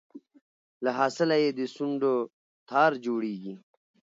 له حاصله یې د سونډو تار جوړیږي